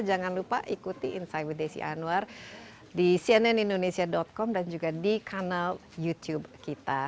jangan lupa ikuti insight with desi anwar di cnnindonesia com dan juga di kanal youtube kita